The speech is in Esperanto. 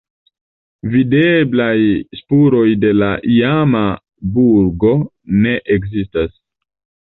Videblaj spuroj de la iama burgo ne ekzistas.